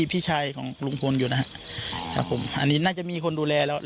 พี่ชายของลุงพลอยู่นะครับผมอันนี้น่าจะมีคนดูแลแล้ว